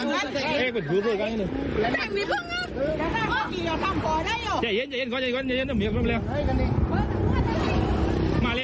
เพราะถูกทำร้ายเหมือนการบาดเจ็บเนื้อตัวมีแผลถลอก